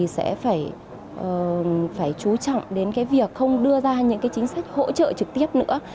sẽ phải chú trọng đến việc không đưa ra những chính sách hỗ trợ trực tiếp nữa